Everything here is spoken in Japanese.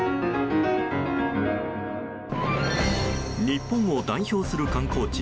日本を代表する観光地